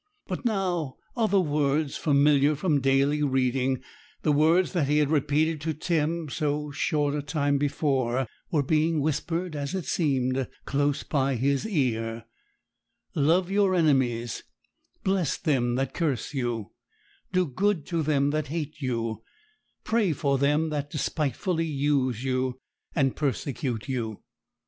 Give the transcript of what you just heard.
But now other words, familiar from daily reading, the words that he had repeated to Tim so short a time before, were being whispered, as it seemed, close by his ear: 'Love your enemies; bless them that curse you; do good to them that hate you; pray for them that despitefully use you, and persecute you.'